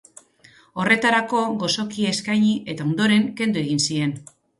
Horretarako, gozokia eskaini eta, ondoren, kendu egiten zien.